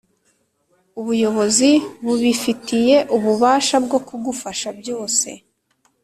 ubuyobozi bubifitiye ububasha bwo kugufasha byose